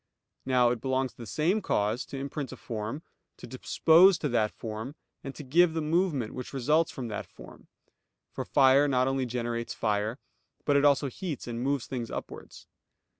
Now it belongs to the same cause, to imprint a form, to dispose to that form, and to give the movement which results from that form; for fire not only generates fire, but it also heats and moves things upwards.